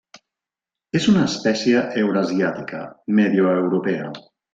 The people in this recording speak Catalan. És una espècie eurasiàtica, medioeuropea.